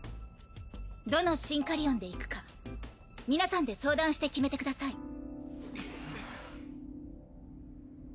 どのシンカリオンで行くか皆さんで相談して決めてください。